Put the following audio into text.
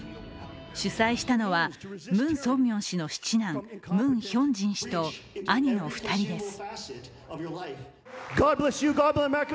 主催したのはムン・ソンミョン氏の七男、ムン・ヒョンジョン氏と兄の２人です。